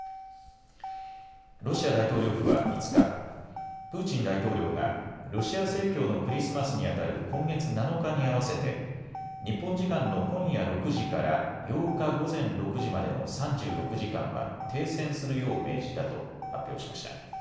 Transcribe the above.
ロシア大統領府は５日、プーチン大統領がロシア正教のクリスマスにあたる今月７日に合わせて日本時間の今夜６時から８日午前６時までの３６時間は停戦するよう命じたと発表しました。